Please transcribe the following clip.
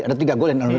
ada tiga gol yang anulir